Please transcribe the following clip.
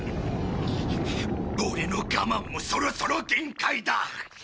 オレの我慢もそろそろ限界だ！